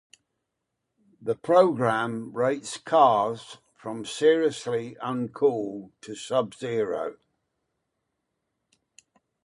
The program rates cars from seriously un-cool to sub-zero.